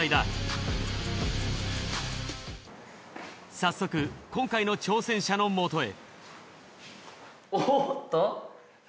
早速今回の挑戦者のもとへ。